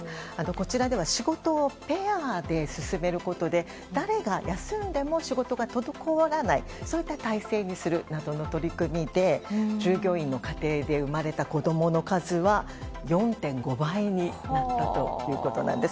こちらでは仕事をペアで進めることで誰が休んでも仕事が滞らない体制にするなどの取り組みで、従業員の家庭で生まれた子供の数は４．５倍になったということなんです。